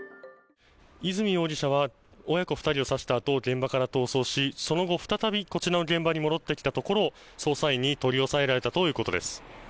泉容疑者は親子２人を刺したあと現場から逃走しその後、再びこちらの現場に戻ってきたところを捜査員に取り押さえられたということです。